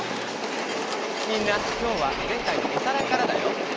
みんな今日は前回のおさらいからだよ。